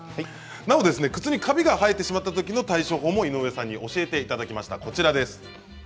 なお靴にカビが生えてしまったときの対処法も井上さんに教えていただきました。